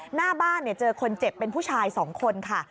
หน้าบ้านเจอคนเจ็บเป็นผู้ชาย๒คนค่ะ